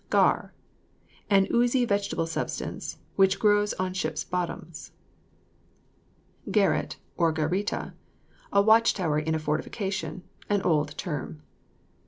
GARR. An oozy vegetable substance which grows on ships' bottoms. GARRET, OR GARITA. A watch tower in a fortification; an old term.